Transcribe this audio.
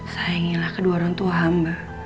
sayangilah kedua orang tua hamba